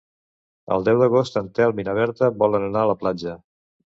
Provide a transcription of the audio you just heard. El deu d'agost en Telm i na Berta volen anar a la platja.